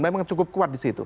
memang cukup kuat disitu